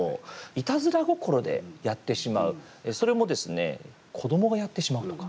いたずら心でやってしまうそれも子どもがやってしまうとか。